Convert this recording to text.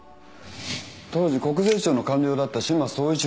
当時国税庁の官僚だった志摩総一郎。